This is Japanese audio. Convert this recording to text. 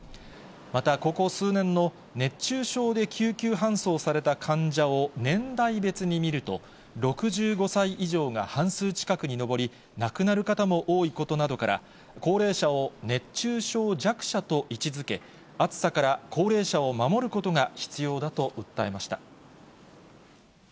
またここ数年の熱中症で救急搬送された患者を年代別に見ると、６５歳以上が半数近くに上り、亡くなる方も多いことなどから、高齢者を熱中症弱者と位置づけ、暑さから高齢者を守ることが必要だと訴えました。